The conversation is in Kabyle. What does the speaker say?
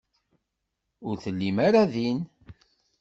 Ur tellim ara din.